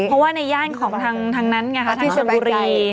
เพราะว่าในย่านของทางนั้นไงคะทางชนบุรี